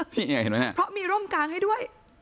นี่ไงเห็นไหมเนี่ยเพราะมีร่มกลางให้ด้วย